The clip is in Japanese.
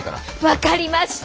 分かりました。